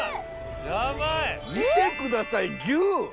見てくださいギュ！